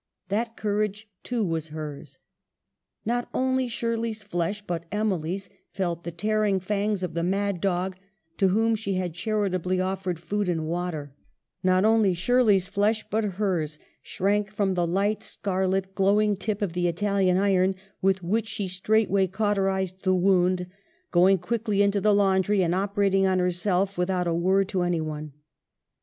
That courage, too, was hers. Not only Shirley's flesh, but Emily's, felt the tearing fangs of the mad dog to whom she had charitably offered food and water ; not only Shirley's flesh, but hers, shrank from the light scarlet, glowing tip of the Italian iron with which she straightway cauterized the wound, going quickly into the laundry and operating on herself without a word to any one.